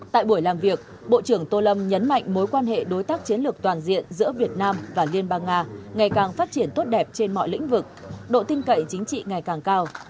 tại buổi làm việc bộ trưởng tô lâm nhấn mạnh mối quan hệ đối tác chiến lược toàn diện giữa việt nam và liên bang nga ngày càng phát triển tốt đẹp trên mọi lĩnh vực độ tin cậy chính trị ngày càng cao